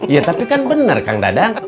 iya tapi kan benar kang dadang